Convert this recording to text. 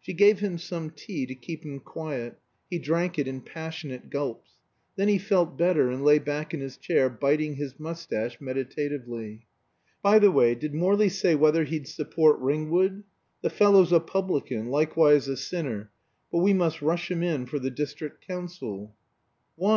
She gave him some tea to keep him quiet; he drank it in passionate gulps. Then he felt better, and lay back in his chair biting his mustache meditatively. "By the way, did Morley say whether he'd support Ringwood! The fellow's a publican, likewise a sinner, but we must rush him in for the District Council." "Why?"